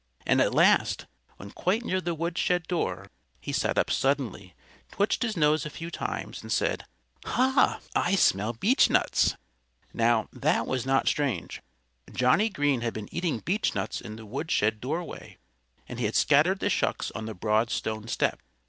And at last, when quite near the woodshed door, he sat up suddenly, twitched his nose a few times, and said, "Ha! I smell beechnuts!" Now, that was not strange. Johnnie Green had been eating beechnuts in the woodshed doorway. And he had scattered the shucks on the broad stone step.